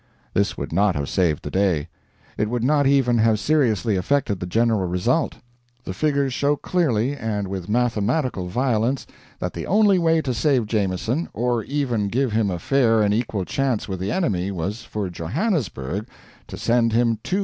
This would not have saved the day. It would not even have seriously affected the general result. The figures show clearly, and with mathematical violence, that the only way to save Jameson, or even give him a fair and equal chance with the enemy, was for Johannesburg to send him 240 Maxims, 90 cannon, 600 carloads of ammunition, and 240,000 men.